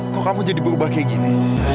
kok kamu jadi berubah kayak gini